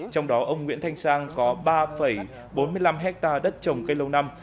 trong đó ông nguyễn thanh sang có ba bốn mươi năm hectare đất trồng cây lâu năm